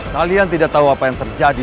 kalian tidak tahu apa yang terjadi